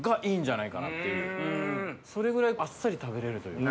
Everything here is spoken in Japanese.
それぐらいあっさり食べれるという。